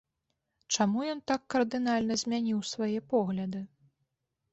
Чаму ён так кардынальна змяніў свае погляды?